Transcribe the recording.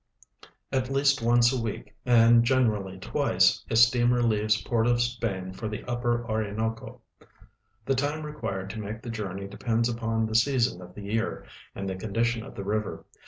At least once a week, and generally twice, a steamer leaves Port of Spain for the upper Orinoco. The time required to make the journey depends upon the season of the year and the condition of the river.